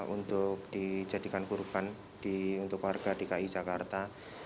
untuk dijadikan kurban untuk warga dki jakarta